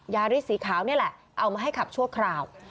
ยาริสสีขาวนี่แหละเอามาให้ขับชั่วคราว